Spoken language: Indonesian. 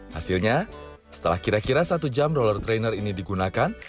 hasilnya setelah kira kira satu jam roller trainer ini digunakan